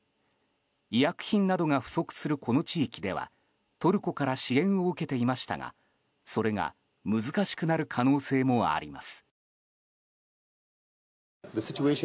医薬品などが不足するこの地域ではトルコから支援を受けていましたがそれが難しくなる可能性もあります。